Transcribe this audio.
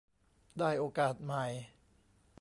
ได้โอกาสใหม่